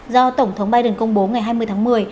do tổng thống biden công bố ngày hai mươi tháng một mươi